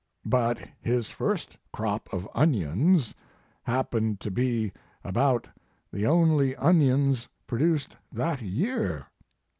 But his first crop of onions happened to be about the only onions produced that year.